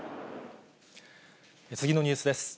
次のニュースです。